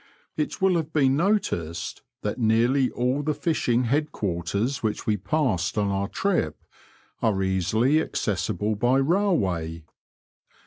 It will have been noticed that nearly all the fishing head quarters which we passed on our trip are easily accessible by railway.